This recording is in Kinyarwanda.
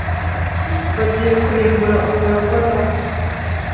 bagiye kurimbura umuragwa na we